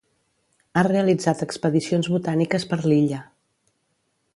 Ha realitzat expedicions botàniques per l'illa.